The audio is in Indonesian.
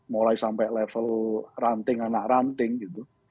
mulai sampai level ranting anak ranting gitu